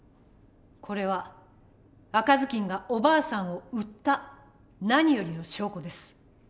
これは赤ずきんがおばあさんを売った何よりの証拠です。